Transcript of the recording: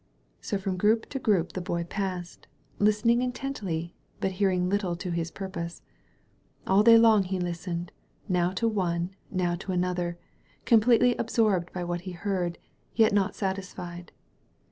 So from group to group the Boy passed, listening intently, but hearing little to his purpose. All day long he listened, now to one, now to another, com pletely absorbed by what he heard, yet not satis fied.